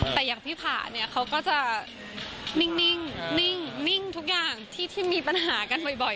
แต่อย่างพี่ผ่าเนี่ยเขาก็จะนิ่งทุกอย่างที่มีปัญหากันบ่อย